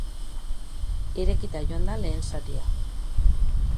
Irekita joan da lehen zatia.